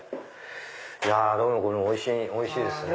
どれもこれもおいしいですね。